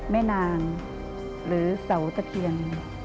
แม่นางหรือเสาตะเคียน